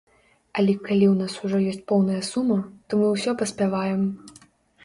Але калі ў нас ужо ёсць поўная сума, то мы ўсё паспяваем.